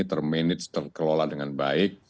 ter manage terkelola dengan baik